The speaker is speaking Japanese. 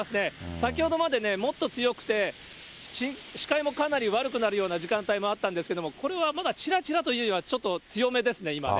先ほどまでね、もっと強くて、視界もかなり悪くなるような時間帯もあったんですけども、これはまだちらちらというよりはちょっと強めですね、今ね。